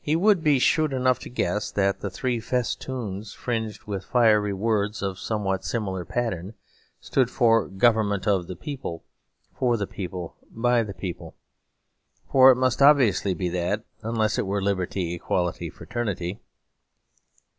He would be shrewd enough to guess that the three festoons fringed with fiery words of somewhat similar pattern stood for 'Government of the People, For the People, By the People'; for it must obviously be that, unless it were 'Liberty, Equality, Fraternity.'